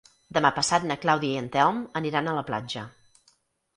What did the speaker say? Demà passat na Clàudia i en Telm aniran a la platja.